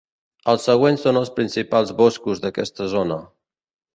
Els següents són els principals boscos d'aquesta zona.